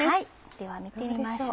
では見てみましょう。